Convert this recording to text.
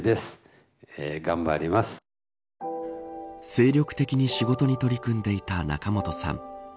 精力的に仕事に取り組んでいた仲本さん。